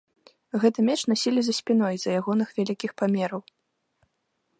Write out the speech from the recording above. Гэты меч насілі за спіной з-за ягоных вялікіх памераў.